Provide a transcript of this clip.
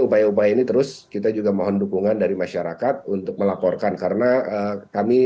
upaya upaya ini terus kita juga mohon dukungan dari masyarakat untuk melaporkan karena kami